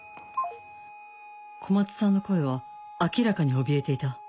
小松さんの声は明らかにおびえていた